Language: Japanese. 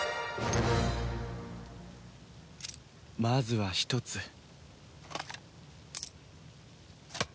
まずは１つ。